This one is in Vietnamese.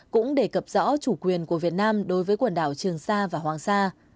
cũng đề cập rõ chủ quyền của việt nam đối với quần đảo trường sa và hoàng sa